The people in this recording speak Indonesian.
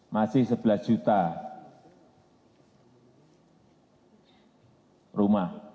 masih sebelas juta rumah